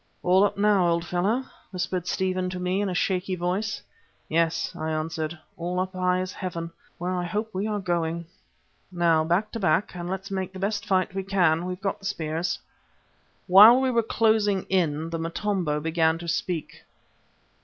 "All up now, old fellow!" whispered Stephen to me in a shaky voice. "Yes," I answered, "all up high as heaven, where I hope we are going. Now back to back, and let's make the best fight we can. We've got the spears." While we were closing in the Motombo began to speak.